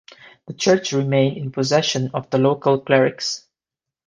The church remained in possession of the local clerics.